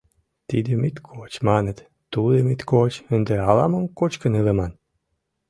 Тидым ит коч, маныт, тудым ит коч, ынде ала-мом кочкын илыман?